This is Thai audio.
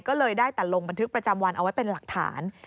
ก็เลยได้แต่ลงบันทึกประจำวันเอาไว้เป็นหลักฐาน